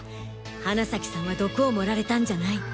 花崎さんは毒を盛られたんじゃない